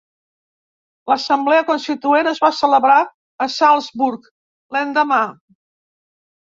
L'assemblea constituent es va celebrar a Salzburg l'endemà.